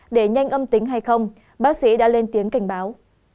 để nhanh âm tính hay không bác sĩ đã lên tiếng cảnh báo